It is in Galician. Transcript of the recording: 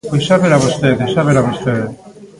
Pois xa verá vostede, xa verá vostede.